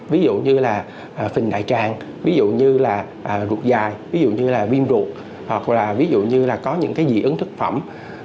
ví dụ như là phình đại tràng ví dụ như là ruột dài ví dụ như là viêm ruột hoặc là ví dụ như là có những cái dị ứng thức phẩm